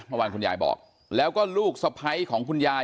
เมื่อวานคุณยายบอกแล้วก็ลูกสะพ้ายของคุณยาย